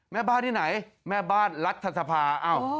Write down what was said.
แม่บ้านที่ไหนแม่บ้านรัฐสภา